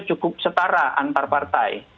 cukup setara antar partai